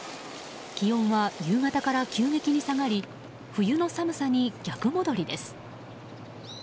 気温は夕方から急激に下がり冬の寒さに逆戻りです。